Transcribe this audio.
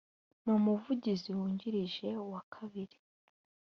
n umuvugizi wungirije wa kabiri